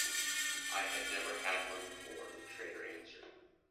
“I had never had one before,” the trader answered.